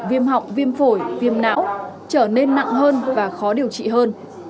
viêm họng viêm phổi viêm não trở nên nặng hơn và khó điều trị hơn